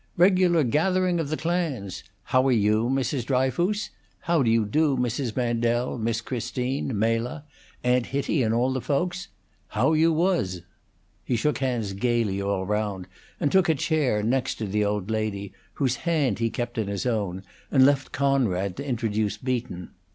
"Regular gathering of the clans. How are you, Mrs. Dryfoos? How do you do, Mrs. Mandel, Miss Christine, Mela, Aunt Hitty, and all the folks? How you wuz?" He shook hands gayly all round, and took a chair next the old lady, whose hand he kept in his own, and left Conrad to introduce Beaton.